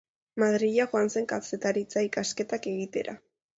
Madrila joan zen kazetaritza ikasketak egitera.